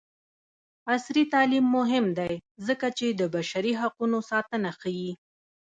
عصري تعلیم مهم دی ځکه چې د بشري حقونو ساتنه ښيي.